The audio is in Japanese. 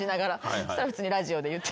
そしたら普通にラジオで言って。